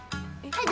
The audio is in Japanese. はい。